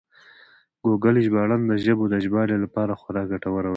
ګوګل ژباړن د ژبو د ژباړې لپاره خورا ګټور وسیله ده.